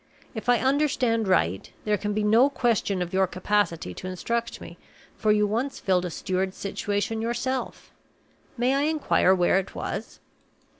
If I understand right, there can be no question of your capacity to instruct me, for you once filled a steward's situation yourself. May I inquire where it was?"